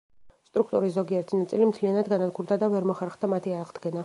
სტრუქტურის ზოგიერთი ნაწილი მთლიანად განადგურდა და ვერ მოხერხდა მათი აღდგენა.